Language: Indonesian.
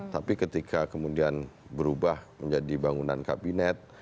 tapi ketika kemudian berubah menjadi bangunan kabinet